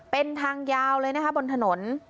เป็นทางยาวเลยนะคะบนถนน